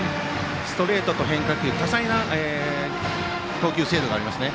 ストレートと変化球多彩な投球精度があります。